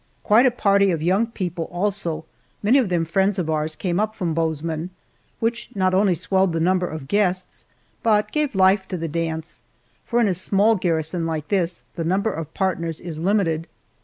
Quite a party of young people also, many of them friends of ours, came up from Bozeman, which not only swelled the number of guests, but gave life to the dance, for in a small garrison like this the number of partners is limited.